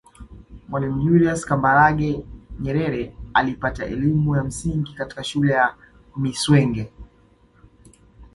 Mwalimu Julius Kambarage Nyerere alipata elimu ya msingi katika shule ya Mwisenge